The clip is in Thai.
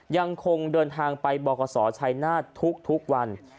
ยังคงเดินทางไปบอกประสอบชายหน้าทุกวัน